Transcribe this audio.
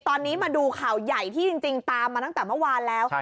ตอนนี้มาดูข่าวใหญ่ที่จริงตามมาตั้งแต่เมื่อวานแล้ว